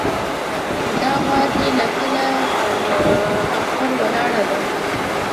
دا غوا دې له کله پر اخور ولاړه ده.